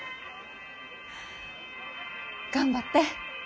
頑張って。